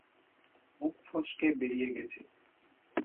মুখ ফসকে বেরিয়ে গেছে।